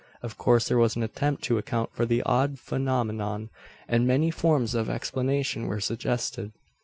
Of course there was an attempt to account for the odd phenomenon, and many forms of explanation were suggested.